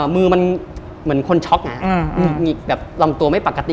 มือมันเหมือนคนช็อกหงิกแบบลำตัวไม่ปกติ